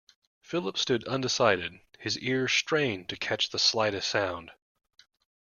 Philip stood undecided, his ears strained to catch the slightest sound.